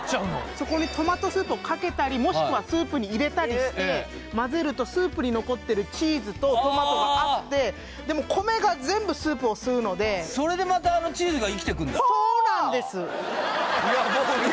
そこにトマトスープをかけたりもしくはスープに入れたりして混ぜるとスープに残ってるチーズとトマトがあってでも米が全部スープを吸うのでいやいやさらに普通のトマト麺では物足りなくなった